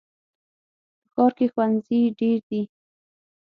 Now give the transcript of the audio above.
په ښار کې ښوونځي ډېر دي.